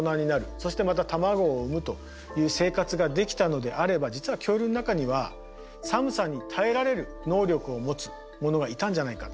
そしてまた卵を産むという生活ができたのであれば実は恐竜の中には寒さに耐えられる能力を持つものがいたんじゃないか。